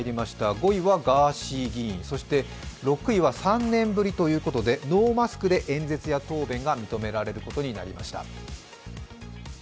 ５位はガーシー議員６位は３年ぶりということでノーマスクで演説や答弁が認められることになりました。